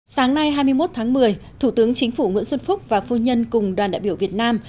sáng nay hai mươi một tháng một mươi thủ tướng chính phủ nguyễn xuân phúc và phu nhân cùng đoàn đại biểu việt nam